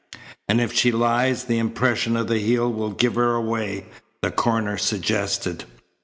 "And if she lies, the impression of the heel will give her away," the coroner suggested.